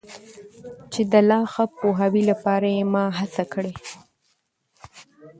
چي د لا ښه پوهاوي لپاره یې ما هڅه کړي.